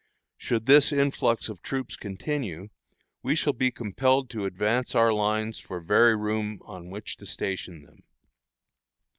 Should this influx of troops continue, we shall be compelled to advance our lines for very room on which to station them.